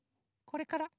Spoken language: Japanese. これから。